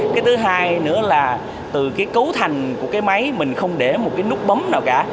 cái thứ hai nữa là từ cái cấu thành của cái máy mình không để một cái nút bấm nào cả